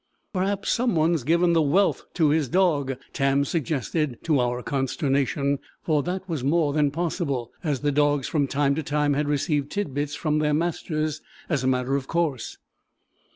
"Perhaps some one's given the "wealth" to his dog," Tam suggested, to our consternation; for that was more than possible, as the dogs from time to time had received tit bits from their masters as a matter of course.